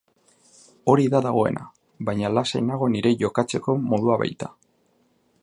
Hori da dagoena, baina lasai nago nire jokatzeko modua baita.